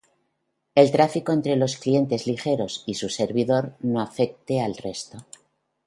el tráfico entre los clientes ligeros y su servidor no afecte al resto